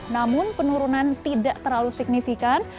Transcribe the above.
namun penurunan tidak terlalu signifikan